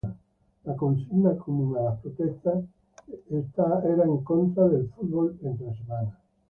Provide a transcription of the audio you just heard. La consigna común a las protestas se mostraba en contra del "fútbol entre semana".